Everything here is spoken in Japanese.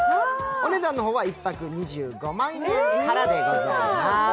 お値段の方は１泊２５万円からでございます。